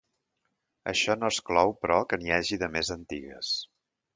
Això no exclou, però, que n'hi hagi de més antigues.